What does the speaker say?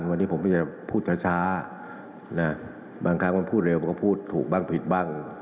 วันนี้ผมก็จะพูดช้านะบางครั้งมันพูดเร็วมันก็พูดถูกบ้างผิดบ้าง